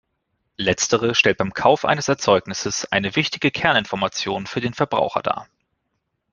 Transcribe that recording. Letztere stellt beim Kauf eines Erzeugnisses eine wichtige Kerninformation für den Verbraucher dar.